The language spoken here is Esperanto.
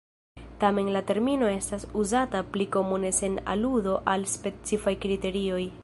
Tamen la termino estas uzata pli komune sen aludo al specifaj kriterioj.